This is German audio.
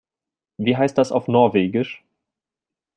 Was heißt das auf Norwegisch?